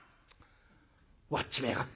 割っちまいやがった。